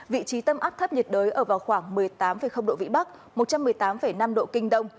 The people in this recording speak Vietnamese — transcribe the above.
vị trí tâm áp thấp nhiệt đới ở vào khoảng một mươi tám độ vĩ bắc một trăm một mươi tám năm độ kinh đông